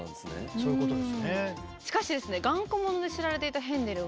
そういうことですね。